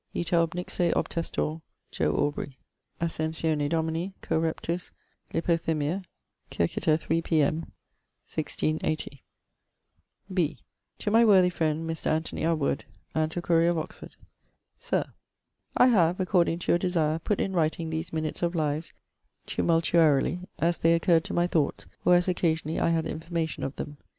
Ita obnixe obtestor, JO. AUBREY. Ascenscione Domini, correptus lipothymiâ, circiter 3 P.M. 1680.' (B) MS. Aubr. 6, fol. 12: 'To my worthy friend Mr. ANTHONIE à WOOD, Antiquarie of Oxford. SIR! I have, according to your desire, putt in writing these minutes of lives tumultuarily, as they occurr'd to my thoughts or as occasionally I had information of them.